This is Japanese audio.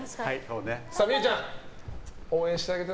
美結ちゃん、応援してあげて。